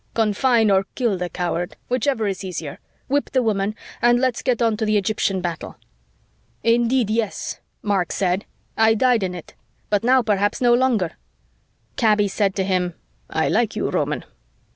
"Confine or kill the coward, whichever is easier, whip the woman, and let's get on to the Egyptian battle." "Indeed, yes," Mark said. "I died in it. But now perhaps no longer." Kaby said to him, "I like you, Roman."